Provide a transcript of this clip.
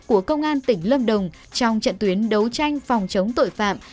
của công an tỉnh lâm đồng trong trận tuyến đấu tranh phòng chống tội phạm